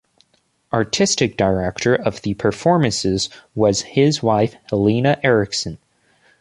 Artistic Director of the performances was his wife Helena Eriksson.